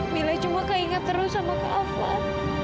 mila cuma kak ingat terus sama kak fah